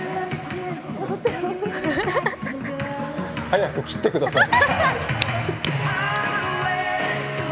早く切ってください。